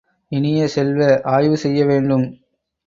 இனிய செல்வ, ஆய்வு செய்ய வேண்டும்.